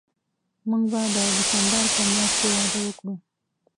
موږ به د ډسمبر په میاشت کې واده وکړو